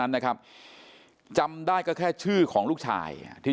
คือสิ่งที่เราติดตามคือสิ่งที่เราติดตาม